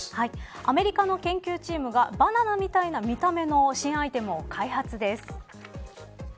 アメリカの研究チームがバナナみたいな見た目の新アイテムを開発です。